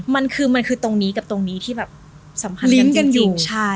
มันคือมันคือตรงนี้กับตรงนี้ที่แบบสัมพันธ์เลี้ยงกันจริงใช่